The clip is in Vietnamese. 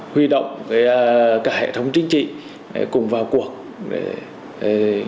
huy động cả hệ thống chính trị cùng vào cuộc để đảm bảo an ninh trật tự